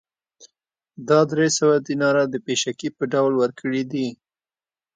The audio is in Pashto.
دا درې سوه دیناره د پېشکي په ډول ورکړي دي